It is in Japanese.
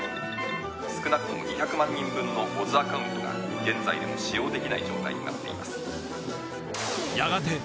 少なくとも２００万人分のＯＺアカウントが現在でも使用できない状態になっています。